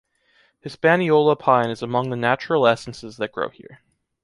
Hispaniola pine is among the natural essences that grow here.